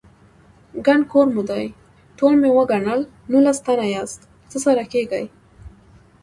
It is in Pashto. _ګڼ کور مو دی، ټول مې وګڼل، نولس تنه ياست، څه سره کېږئ؟